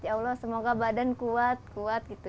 ya allah semoga badan kuat kuat gitu